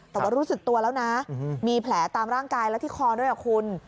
แต่ว่ารู้สึกตัวแล้วนะมีแผลตามร่างกายและที่คอด้วยคุณ